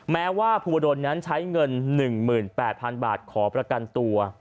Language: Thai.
แม้ว่าภูวดลนั้นใช้เงิน๑๘๐๐๐บาทขอประกันตัว